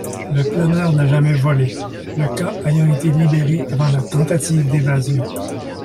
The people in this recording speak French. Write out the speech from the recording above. Le planeur n'a jamais volé, le camp ayant été libéré avant la tentative d'évasion.